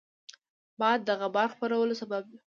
باد د غبار خپرولو سبب وي